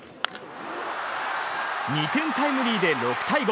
２点タイムリーで６対５。